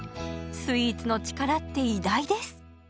スイーツの力って偉大です！